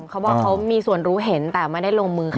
เขาบอกเขามีส่วนรู้เห็นแต่ไม่ได้ลงมือเขา